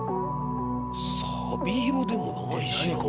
さび色でもないしな。